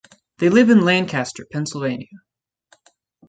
They live in Lancaster, Pennsylvania.